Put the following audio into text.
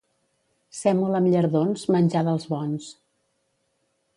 Sèmola amb llardons, menjar dels bons.